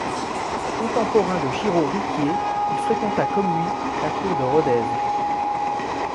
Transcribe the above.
Contemporain de Giraud Riquier, il fréquenta comme lui la Cour de Rodez.